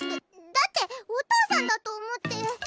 だだってお父さんだと思って。